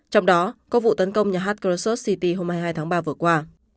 trong đó có vụ tấn công nhà hát krosoft city hôm hai mươi hai tháng ba vừa qua